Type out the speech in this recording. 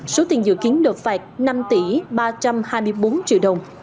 số tiền dự kiến đột phạt năm tỷ ba trăm hai mươi bốn triệu đồng